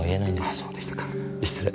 そうでしたか失礼。